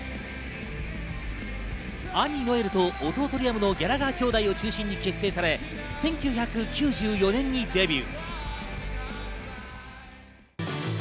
兄・ノエルと弟・リアムのギャラガー兄弟を中心に結成され、１９９４年にデビュー。